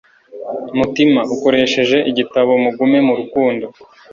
mutima ukoresheje igitabo mugume mu rukundo